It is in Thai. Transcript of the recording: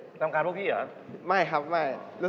รำคาญพวกพี่หรือ